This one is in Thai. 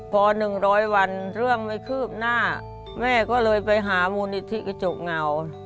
พอ๑๐๐วันเรื่องไม่คืบหน้าแม่ก็เลยไปหามูลนิธิกระจกเงา